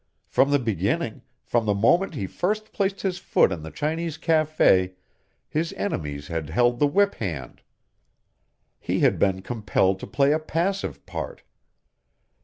From the beginning from the moment he first placed his foot in the Chinese cafe his enemies had held the whip hand. He had been compelled to play a passive part.